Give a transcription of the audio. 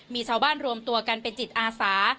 มีชาวบ้านรวมตัวกันเป็นจิตอาสา